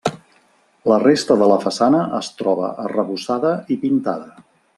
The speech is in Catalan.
La resta de la façana es troba arrebossada i pintada.